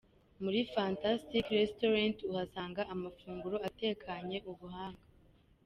Muri Fantastic Restaurant uhasanga amafunguro atekanye ubuhanga.